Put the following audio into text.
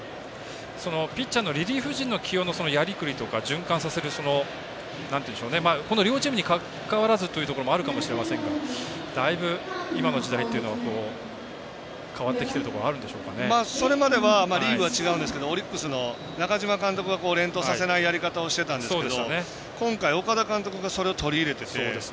ピッチャーのリリーフ陣の起用のやりくりとか、循環させる両チームに関わらずというところあるかもしれませんがだいぶ今の時代というのは変わってきてるところがそれまではリーグは違うんですけどオリックスの中嶋監督が連投をさせないやり方をしてたんですけど今回、岡田監督がそれを取り入れてて。